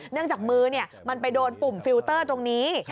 จากมือมันไปโดนปุ่มฟิลเตอร์ตรงนี้